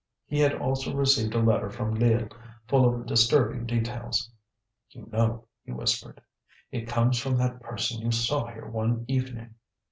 He had also received a letter from Lille full of disturbing details. "You know," he whispered, "it comes from that person you saw here one evening."